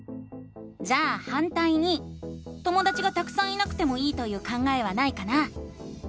じゃあ「反対に」ともだちがたくさんいなくてもいいという考えはないかな？